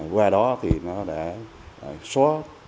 qua đó thì nó đã xóa